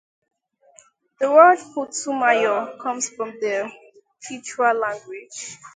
The word "putumayo" comes from the Quechua languages.